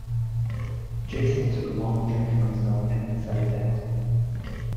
Jason took a long drink from his milk and then set it down